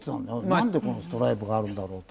何でこのストライプがあるんだろうと。